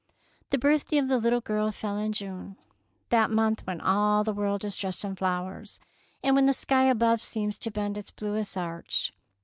The birthday of the little girl fell in June, that month when all the world 12 177 DEEDS OF DABING is dressed in flowers, and when the sky above seems to bend its bluest arch.